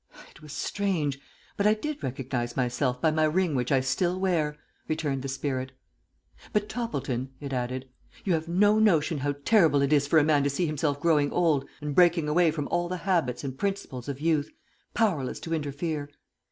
"It was strange; but I did recognize myself by my ring which I still wear," returned the spirit. "But, Toppleton," it added, "you have no notion how terrible it is for a man to see himself growing old and breaking away from all the habits and principles of youth, powerless to interfere.